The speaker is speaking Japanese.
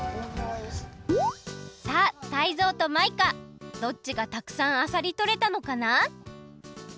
さあタイゾウとマイカどっちがたくさんあさりとれたのかな？